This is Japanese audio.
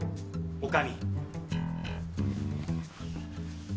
女将。